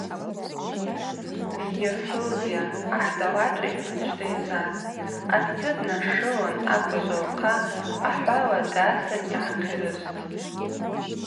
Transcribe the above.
Ййырхӏвузйа – ахӏ далашӏайхӏван дщтӏайцӏатӏ, атдзы днашылын акӏважва лхъа ахӏвала дасын йгӏахъирышвттӏ.